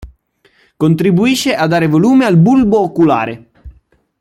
Contribuisce a dare volume al bulbo oculare.